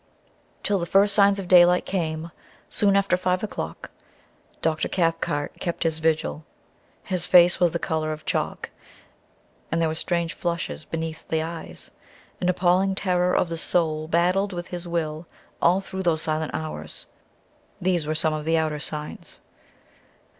Till the first signs of daylight came, soon after five o'clock, Dr. Cathcart kept his vigil. His face was the color of chalk, and there were strange flushes beneath the eyes. An appalling terror of the soul battled with his will all through those silent hours. These were some of the outer signs